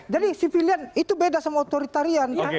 jadi civilian itu beda sama authoritarian